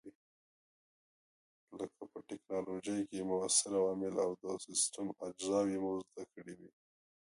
لکه په ټېکنالوجۍ کې موثر عوامل او د سیسټم اجزاوې مو زده کړې وې.